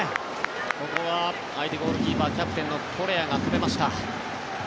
ここは相手ゴールキーパーキャプテンのコレアが止めました。